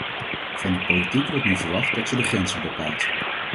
Van de politiek wordt nu verwacht dat ze de grenzen bepaalt.